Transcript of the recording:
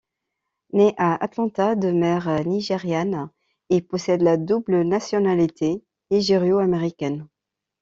Né à Atlanta, de mère nigériane, il possède la double nationalité nigério-américaine.